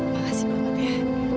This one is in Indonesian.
makasih banget ya